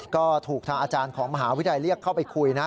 ก็ถูกทางอาจารย์ของมหาวิทยาลัยเรียกเข้าไปคุยนะ